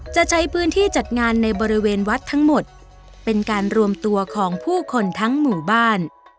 จะใช้พื้นที่จัดงานในบริเวณวัดทั้งหมดเป็นการรวมตัวของผู้คนทั้งหมู่บ้าน